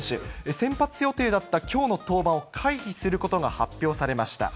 先発予定だったきょうの登板を回避することが発表されました。